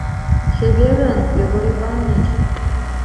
Чеверын, Йогор Иваныч!